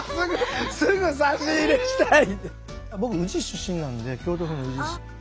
すぐ差し入れしたい！